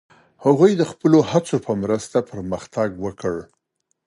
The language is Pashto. هغوی د خپلو هڅو په مرسته پرمختګ وکړ.